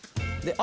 あ！